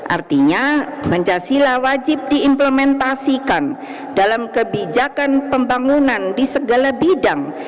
artinya pancasila wajib diimplementasikan dalam kebijakan pembangunan di segala bidang